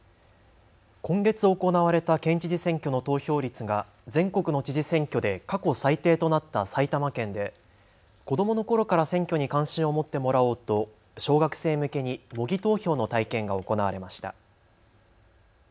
今月、行われた県知事選挙の投票率が全国の知事選挙で過去最低となった埼玉県では子どものころから選挙に関心を持ってもらおうと小学生向けに模擬投票の体験が行われました。